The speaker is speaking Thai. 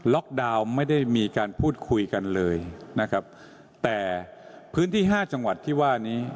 ดาวน์ไม่ได้มีการพูดคุยกันเลยนะครับแต่พื้นที่ห้าจังหวัดที่ว่านี้